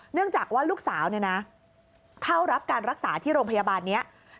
เนื่องจากว่าลูกสาวเข้ารับการรักษาที่โรงพยาบาลนี้